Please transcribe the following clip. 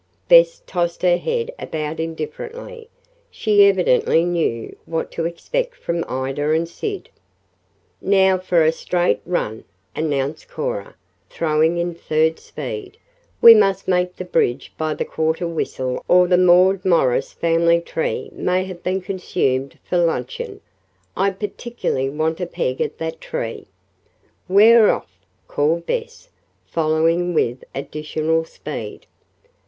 Bess tossed her head about indifferently. She evidently knew what to expect from Ida and Sid. "Now for a straight run!" announced Cora, throwing in third speed. "We must make the bridge by the quarter whistle or the Maud Morris family tree may have been consumed for luncheon. I particularly want a peg at that tree." "We're off!" called Bess, following with additional speed.